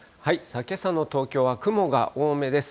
けさの東京は雲が多めです。